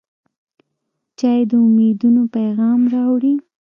چای د امیدونو پیغام راوړي.